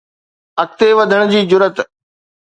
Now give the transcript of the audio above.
اڳتي وڌڻ جي جرئت